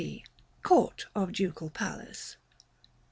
C. Court of Ducal Palace.